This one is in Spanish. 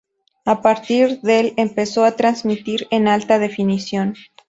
A partir del empezó a transmitir en alta definición.